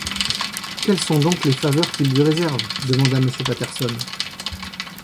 Quelles sont donc les faveurs qu’il lui réserve?... demanda Monsieur Patterson.